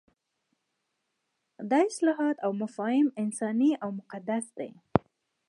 دا اصطلاحات او مفاهیم انساني او مقدس دي.